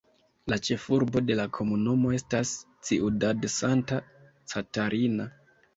La ĉefurbo de la komunumo estas Ciudad Santa Catarina.